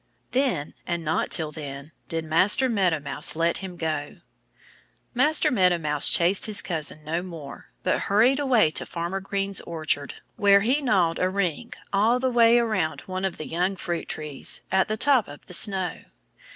Then and not till then did Master Meadow Mouse let him go. Master Meadow Mouse chased his cousin no more, but hurried away to Farmer Green's orchard, where he gnawed a ring all the way around one of the young fruit trees, at the top of the snow.